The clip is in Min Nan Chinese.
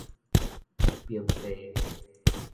冰地